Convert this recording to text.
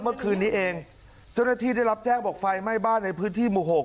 เมื่อคืนนี้เองเจ้าหน้าที่ได้รับแจ้งบอกไฟไหม้บ้านในพื้นที่หมู่หก